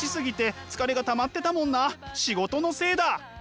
仕事のせいだ。